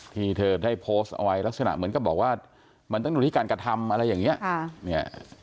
ที่เธอได้โพสต์เอาไว้ลักษณะเหมือนกับบอกว่ามันต้องอยู่ที่การกระทำอะไรอย่างนี้